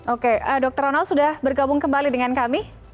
oke dr ronald sudah bergabung kembali dengan kami